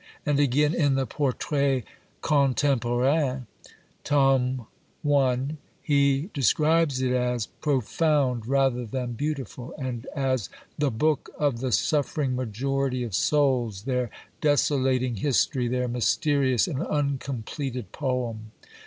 And again, in the Portraits ContemporainSy {torn, i.), he describes it as " profound rather than beautiful," and as "the book of the suffering majority of souls, their desolating history, their mysterious and uncompleted poem."